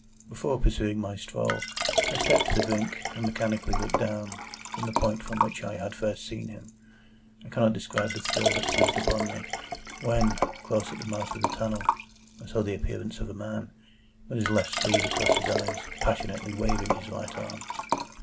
Before pursuing my stroll, I stepped to the brink, and mechanically looked down, from the point from which I had first seen him. I cannot describe the thrill that seized upon me, when, close at the mouth of the tunnel, I saw the appearance of a man, with his left sleeve across his eyes, passionately waving his right arm.